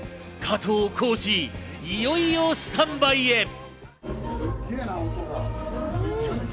加藤浩次、いよいよスタンバイへ。